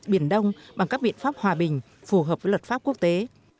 biển đông bằng các biện pháp hòa bình phù hợp với luật pháp quốc tế